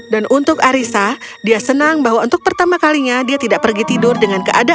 dan untuk arissa dia senang bahwa untuk pertama kalinya dia tidak pergi tidur dengan keadilan